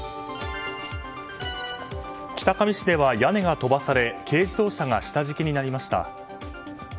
北上市では屋根が飛ばされ軽自動車が下敷きになりました。